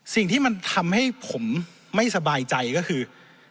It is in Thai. สิ่งที่มันทำให้ผมไม่สบายใจก็คือ